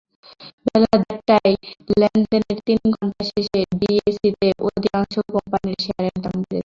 বেলা দেড়টায় লেনদেনের তিন ঘণ্টা শেষে ডিএসইতে অধিকাংশ কোম্পানির শেয়ারের দাম বেড়েছে।